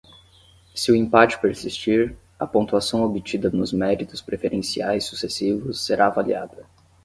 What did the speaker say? Se o empate persistir, a pontuação obtida nos méritos preferenciais sucessivos será avaliada.